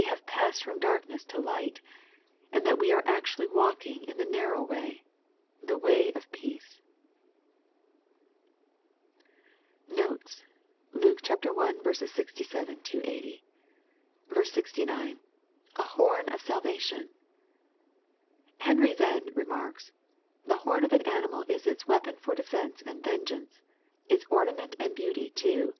nave passed from darkness to light, and that we are actually walking in the narrow way, the way of peace. Notes. Luke I. 67—80. 69. — [An horn of salvation.'] Henry "Venn rermarks, The horn of an animal is its weapon for defence and vengeance, its ornament and beauty too.